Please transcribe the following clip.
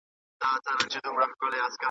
اتلان د ولس ویاړ وي.